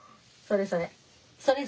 それそれ。